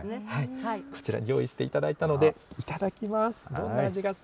こちらに用意していただいたので、いただきます。